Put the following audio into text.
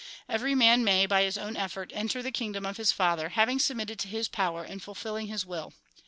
Every man may, by his own effort, enter the kingdom of his Father, having submitted to His power, and fulfil ling His will."